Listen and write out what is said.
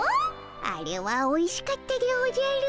あれはおいしかったでおじゃる。